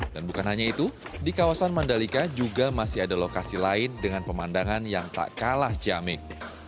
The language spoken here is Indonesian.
dan bukan hanya itu di kawasan mandalika juga masih ada lokasi lain dengan pemandangan yang tak kalah jamek